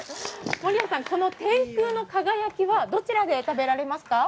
守屋さん、この天空の輝きは、どちらで食べられますか？